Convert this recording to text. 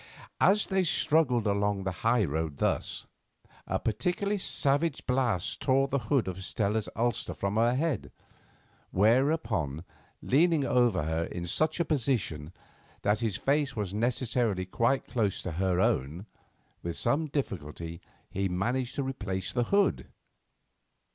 As they struggled along the high road thus, a particularly savage blast tore the hood of Stella's ulster from her head, whereupon, leaning over her in such a position that his face was necessarily quite close to her own, with some difficulty he managed to replace the hood.